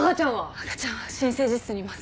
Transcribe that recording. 赤ちゃんは新生児室にいます。